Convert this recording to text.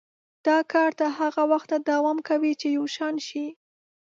دا کار تر هغه وخته دوام کوي چې یو شان شي.